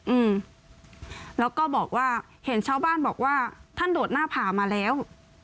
อืมแล้วก็บอกว่าเห็นชาวบ้านบอกว่าท่านโดดหน้าผ่ามาแล้ว